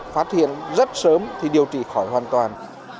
phát hiện rất sớm thì điều trị khỏi hoàn toàn